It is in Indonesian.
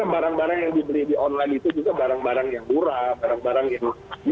barang barang yang dibeli di online itu juga barang barang yang murah barang barang yang